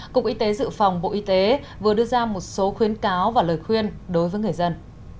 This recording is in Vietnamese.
cục y tế dự phòng bộ y tế vừa đưa ra một số khuyến cáo và lời khuyên đối với người dân